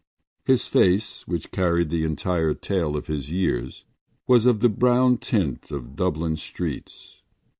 His face, which carried the entire tale of his years, was of the brown tint of Dublin streets.